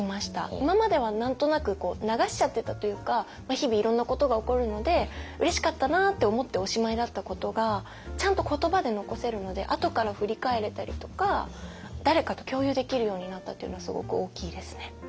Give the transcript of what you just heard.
今までは何となくこう流しちゃってたというか日々いろんなことが起こるのでうれしかったなって思っておしまいだったことがちゃんと言葉で残せるのであとから振り返れたりとか誰かと共有できるようになったっていうのがすごく大きいですね。